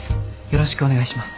よろしくお願いします。